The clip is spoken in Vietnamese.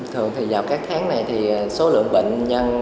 thường thì vào các tháng này thì số lượng bệnh nhân